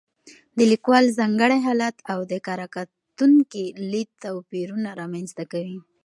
د لیکوال ځانګړی حالت او د کره کتونکي لید توپیرونه رامنځته کوي.